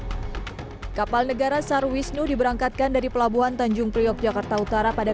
hai kapal negara sarwisnu diberangkatkan dari pelabuhan tanjung priok jakarta utara pada